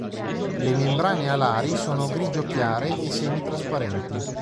Le membrane alari sono grigio chiare e semi-trasparenti.